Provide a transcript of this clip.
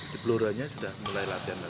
di peluruhnya sudah mulai latihan latihan